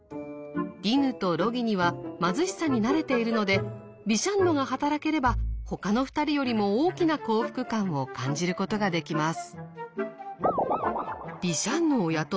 ディヌとロギニは貧しさに慣れているのでビシャンノが働ければほかの２人よりも大きな幸福感を感じることができます。